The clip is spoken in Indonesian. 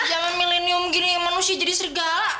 jangan milenium gini manusia jadi segala